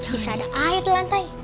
bisa ada air di lantai